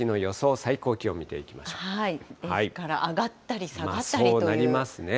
最高気温を見ていきですから上がったり下がったそうなりますね。